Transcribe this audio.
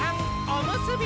おむすび！